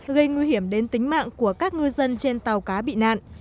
gây nguy hiểm đến tính mạng của các ngư dân trên tàu cá bị nạn